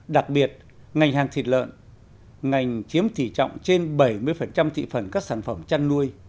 đặc biệt ngành hàng thịt lợn ngành chiếm tỷ trọng trên bảy mươi thị phần các sản phẩm chăn nuôi